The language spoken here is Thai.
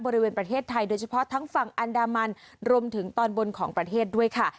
บริเวณประเทศไทยโดยเฉพาะทั้งฝั่งอันดามันรวมถึงตอนบนของประเทศด้วยค่ะ